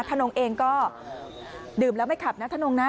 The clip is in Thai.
ทนงเองก็ดื่มแล้วไม่ขับนะทะนงนะ